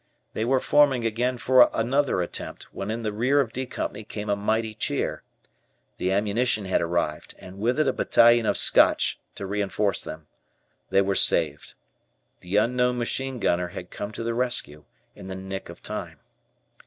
They were forming again for another attempt, when in the rear of "D" Company came a mighty cheer. The ammunition had arrived and with it a battalion of Scotch to reinforce them. They were saved. The unknown machine gunner had come to the rescue in the nick of time.